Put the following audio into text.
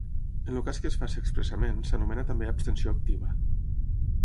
En el cas que es faci expressament s'anomena també abstenció activa.